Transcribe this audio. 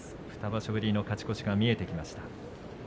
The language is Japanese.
２場所ぶりの勝ち越しが見えてきました。